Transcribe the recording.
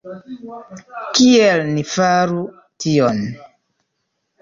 Kiel ni faru tion?